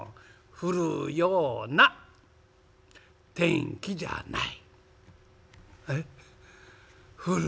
「降るようなあっ天気じゃない。